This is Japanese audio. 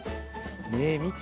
ねえみて。